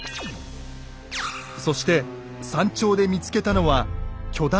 そして山頂で見つけたのは巨大なくぼみです。